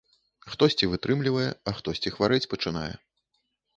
Хтосьці вытрымлівае, а хтосьці хварэць пачынае.